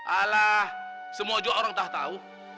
alah semua juga orang tak tahu